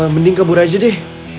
mending kabur aja deh